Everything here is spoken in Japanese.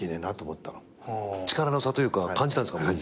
力の差というか感じたんですか。